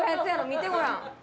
見てごらん。